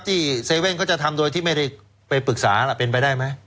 ที่๗๑๑เขาจะทำโดยที่ไม่ได้ไปปรึกษาล่ะเป็นไปได้ไหม